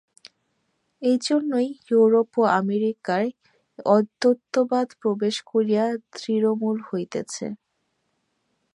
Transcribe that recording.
এইজন্যই ইউরোপ ও আমেরিকায় অদ্বৈতবাদ প্রবেশ করিয়া দৃঢ়মূল হইতেছে।